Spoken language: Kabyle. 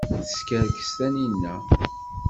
Teskerkes Taninna.